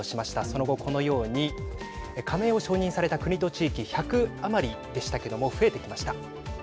その後、このように加盟を承認された国と地域１００余りでしたけども増えてきました。